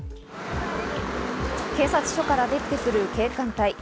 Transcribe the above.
警察署から出てくる警官隊。